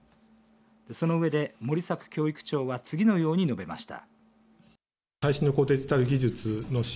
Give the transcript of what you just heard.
そのうえで森作教育長は次のように述べました。